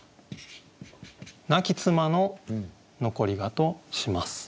「亡き妻の残り香」とします。